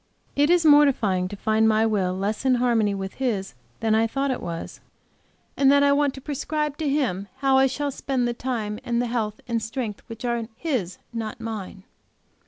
It is mortifying to find my will less in harmony with His than I thought it was; and that I want to prescribe to Him how I shall spend the time and the health and the strength which are His, not mine.